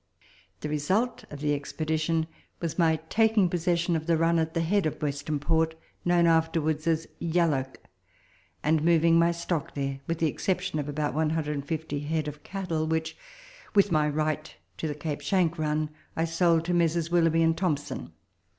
The re sult of the expedition was my taking possession of the run at the head of Western Port, known afterwards as Yalloak, and moving my stock there, with the exception of about 150 head of cattle, which, with my right to the Cape Schanck run, I sold to Messrs. Willoughby and Thomson.